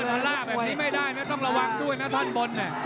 แต่ถ้าเลิกทราบแบบนี้ไม่ได้นะต้องระวังด้วยนะท่านบน